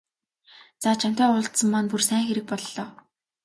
За чамтай уулзсан маань бүр сайн хэрэг боллоо.